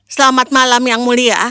selamat malam yang mulia